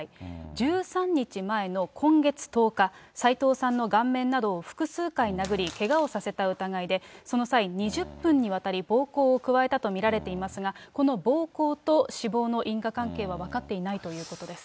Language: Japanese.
１３日前の今月１０日、斎藤さんの顔面などを複数回殴り、けがをさせた疑いで、その際、２０分にわたり、暴行を加えたと見られていますが、この暴行と死亡の因果関係は分かっていないということです。